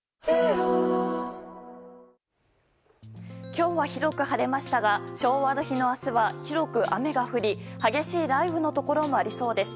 今日は広く晴れましたが昭和の日の明日は広く雨が降り激しい雷雨のところもありそうです。